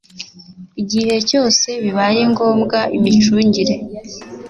igihe cyose bibaye ngombwa imicungire